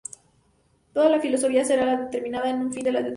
Toda la Filosofía será la que determine el fin de la educación.